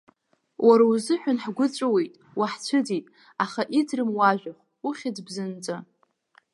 Уара узыҳәан ҳгәы ҵәыуеит, уаҳцәыӡит, аха иӡрым уажәахә, ухьӡ бзанҵы!